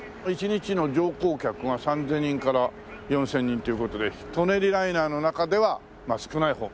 １日の乗降客が３０００人から４０００人という事で舎人ライナーの中では少ない方。